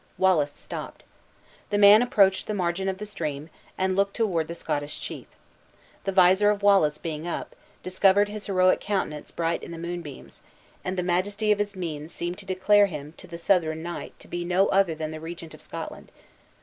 Wallace stopped. The man approached the margin of the stream, and looked toward the Scottish chief. The visor of Wallace being up, discovered his heroic countenance bright in the moonbeams; and the majesty of his mien seemed to declare him to the Southron knight to be no other than the Regent of Scotland.